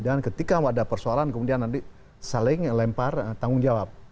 dan ketika ada persoalan kemudian nanti saling lempar tanggung jawab